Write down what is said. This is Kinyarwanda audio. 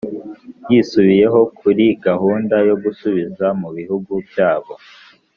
yisubiyeho kuri gahunda yo gusubiza mu bihugu byabo